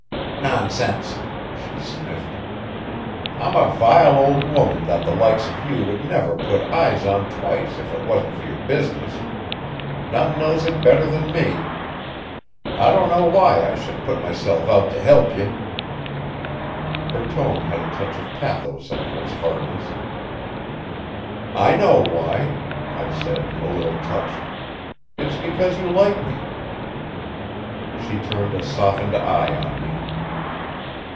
"Nonsense!" she sniffed. "I'm a vile old woman that the likes of you would never put eyes on twice if it wasn't for your business none knows it better than me. I don't know why I should put myself out to help ye." Her tone had a touch of pathos under its hardness. "I know why," I said, a little touched. "It's because you like me." She turned a softened eye on me.